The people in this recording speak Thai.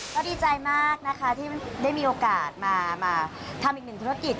ก็ดีใจมากนะคะที่ได้มีโอกาสมาทำอีกหนึ่งธุรกิจ